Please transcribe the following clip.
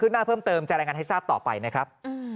หน้าเพิ่มเติมจะรายงานให้ทราบต่อไปนะครับ